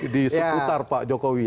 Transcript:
di seputar pak jokowi